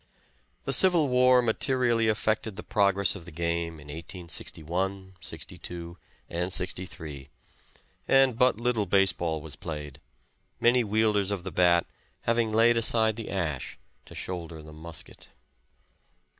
The Civil war materially affected the progress of the game in 1861, '62 and '63 and but little base ball was played, many wielders of the bat having laid aside the ash to shoulder the musket.